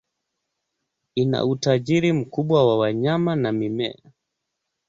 Ina utajiri mkubwa wa wanyama na mimea.